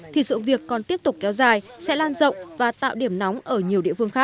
thì sự việc còn tiếp tục kéo dài sẽ lan rộng và tạo điểm nóng ở nhiều địa phương khác